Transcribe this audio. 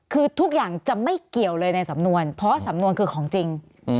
คือทุกอย่างจะไม่เกี่ยวเลยในสำนวนเพราะสำนวนคือของจริง